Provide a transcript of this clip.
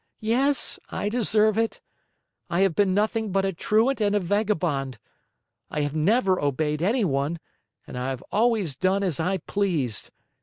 Yes, I deserve it! I have been nothing but a truant and a vagabond. I have never obeyed anyone and I have always done as I pleased.